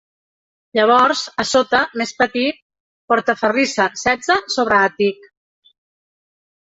Llavors, a sota, més petit, «Portaferrissa, setze, sobreàtic».